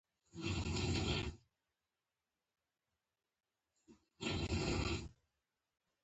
د افغان فرهنګ نومیالی شعور خان علين مکان وايي.